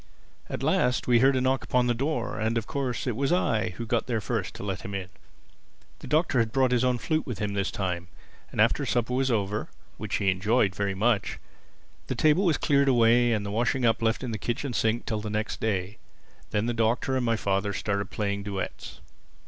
At last we heard a knock upon the door, and of course it was I who got there first to let him in. The Doctor had brought his own flute with him this time. And after supper was over (which he enjoyed very much) the table was cleared away and the washing up left in the kitchen sink till the next day. Then the Doctor and my father started playing duets.